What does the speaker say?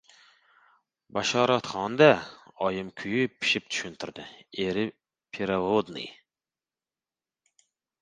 — Bashoratxon-da! — Oyim kuyib-pishib tushuntirdi. — Eri peravodniy.